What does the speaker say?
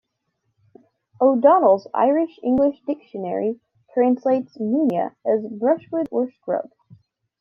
O'Donaill's Irish-English Dictionary translates "muine" as "brushwood" or "scrub".